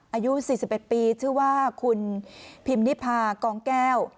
อายุสี่สิบแปดปีชื่อว่าคุณพิมศัพท์นิยภากองแก้ว